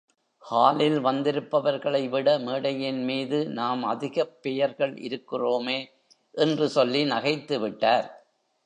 ஹாலில் வந்திருப்பவர்களைவிட, மேடையின்மீது நாம் அதிகப் பெயர்கள் இருக்கிறோமே! என்று சொல்லி நகைத்துவிட்டார்!